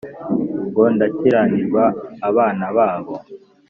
ngo ndakiranirwa abana babo